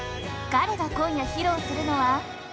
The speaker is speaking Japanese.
彼が今夜披露するのは